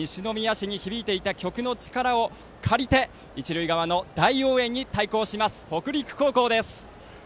かつて、この西宮市に響いていた曲の力を借りて一塁側の大応援に対抗します北陸高校です。